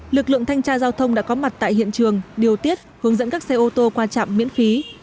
lực lượng thanh tra giao thông đã có mặt tại hiện trường điều tiết hướng dẫn các xe ô tô qua trạm miễn phí